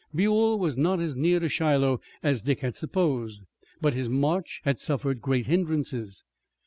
Buell was not as near to Shiloh as Dick had supposed, but his march had suffered great hindrances.